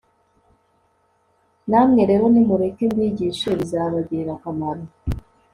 namwe rero, nimureke mbigishe bizabagirira akamaro